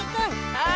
はい！